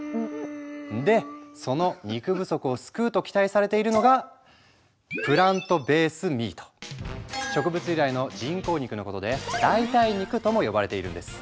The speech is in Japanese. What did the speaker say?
でその肉不足を救うと期待されているのが植物由来の人工肉のことで代替肉とも呼ばれているんです。